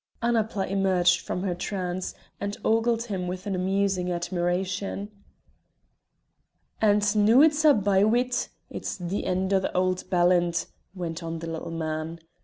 Annapla emerged from her trance, and ogled him with an amusing admiration. "And noo it's a' by wi't; it's the end o' the auld ballant," went on the little man.